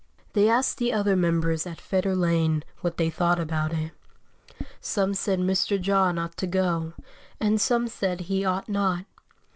They asked the other members at Fetter Lane what they thought about it; some said Mr. John ought to go, and some said he ought not.